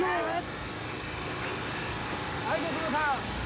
はいご苦労さん。